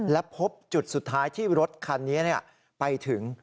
และพบจุดสุดท้ายที่รถคันนี้ไปถึง